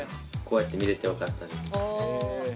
こうやって見れてよかったです。